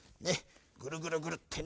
ぐるぐるぐるってね。